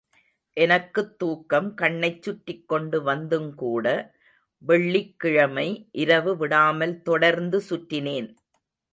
எனக்குத் தூக்கம் கண்ணைச் சுற்றிக் கொண்டு வந்துங்கூட, வெள்ளிக்கிழமை இரவு விடாமல் தொடர்ந்து சுற்றினேன்.